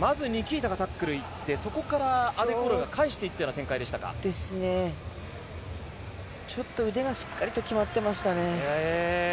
まずニキータがタックルに行って、そこからアデクオロエが返していったような展開でしたがちょっと腕がしっかりと決まっていましたね。